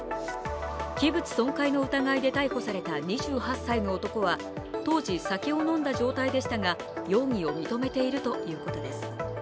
器物損壊の疑いで逮捕された２８歳の男は当時、酒を飲んだ状態でしたが、容疑を認めているということです。